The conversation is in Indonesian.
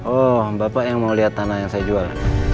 oh bapak yang mau lihat tanah yang saya jual